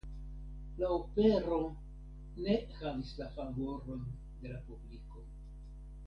La opero ne havis la favoron de la publiko.